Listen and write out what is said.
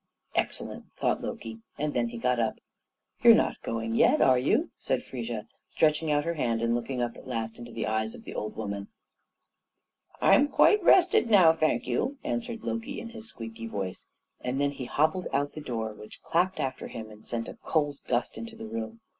"Excellent!" thought Loki, and then he got up. "You're not going yet, are you?" said Frigga, stretching out her hand and looking up at last into the eyes of the old woman. "I'm quite rested now, thank you," answered Loki in his squeaky voice, and then he hobbled out at the door, which clapped after him, and sent a cold gust into the room.